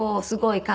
すごい。